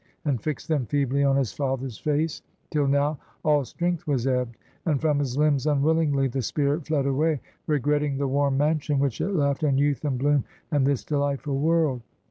And fix'd them feebly on his father's face; Till now all strength was ebb'd: and from his limbs Unwillingly the spirit fled away, Regretting the warm mansion which it left, And youth, and bloom, and tliis delightful world.